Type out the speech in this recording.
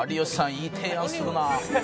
いい提案するなあ」